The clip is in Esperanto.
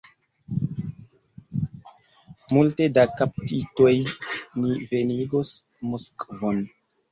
Multe da kaptitoj ni venigos Moskvon!